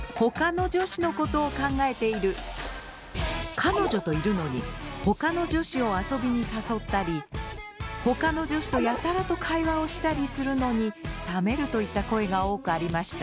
彼女といるのにほかの女子とやたらと会話をしたりするのに冷めるといった声が多くありました。